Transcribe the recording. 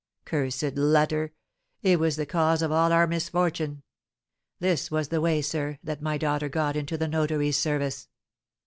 Cursed letter! it was the cause of all our misfortune. This was the way, sir, that my daughter got into the notary's service."